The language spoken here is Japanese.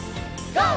ＧＯ！